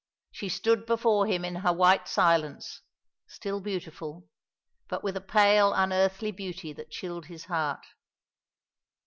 She stood before him in her white silence, still beautiful, but with a pale, unearthly beauty that chilled his heart.